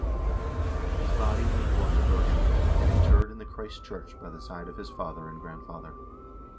His body was brought to Bergen, and interred in the Christ church by the side of his father and grandfather.